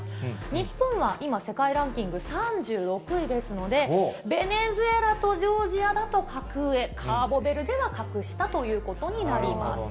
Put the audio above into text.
日本は今、世界ランキング３６位ですので、ベネズエラとジョージアだと格上、カーボベルデは格下ということになります。